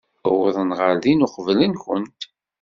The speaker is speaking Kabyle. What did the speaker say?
Uwḍen ɣer din uqbel-nwent.